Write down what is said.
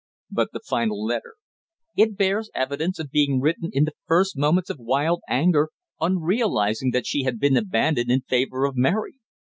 "But the final letter?" "It bears evidence of being written in the first moments of wild anger on realising that she had been abandoned in favour of Mary.